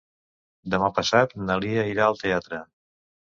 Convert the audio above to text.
Demà passat na Lia irà al teatre.